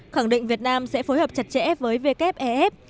khẳng định việt nam sẽ phối hợp chặt chẽ với wef